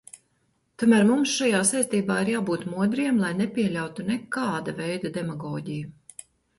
Tomēr mums šajā saistībā ir jābūt modriem, lai nepieļautu nekāda veida demagoģiju.